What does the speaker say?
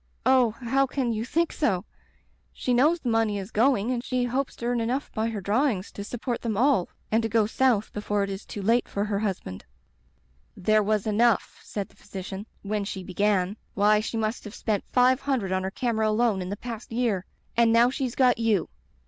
Oh, how can you think so ? She knows the money is going and she hopes to earn enough by her draw ings to support them all and to go South before it is too late for her husband.' "'There was enough,' said the physician, Digitized by LjOOQ IC Interventions *when she began. Why, she must have spent five hundred on her camera alone in the past year; and now she's got you.